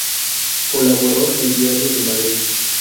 Colaboró en el "Diario de Madrid".